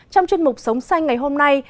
trong chuyên mục sống xanh ngày hôm nay